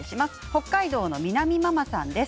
北海道の方からです。